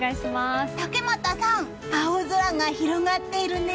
竹俣さん、青空が広がってるね！